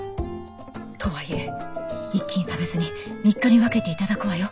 とはいえ一気に食べずに３日に分けて頂くわよ。